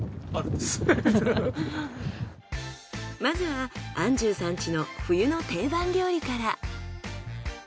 まずは安重さん家の冬の定番料理から。